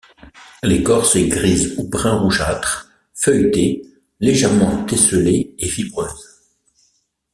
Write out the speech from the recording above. L'écorce est grise ou brun rougeâtre, feuilletée, légèrement tessellée et fibreuse.